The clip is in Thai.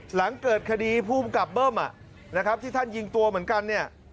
หลังเกิดคดีภูมิกับเบิ้มที่ท่านยิงตัวเหมือนกัน